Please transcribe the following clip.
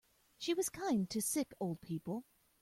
She was kind to sick old people.